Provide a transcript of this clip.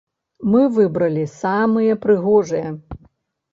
Мы выбралі самыя прыгожыя.